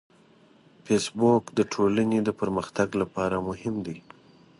فېسبوک د ټولنې د پرمختګ لپاره مهم دی